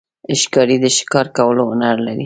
ښکاري د ښکار کولو هنر لري.